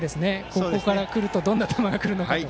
ここから来るとどんな球が来るのかと。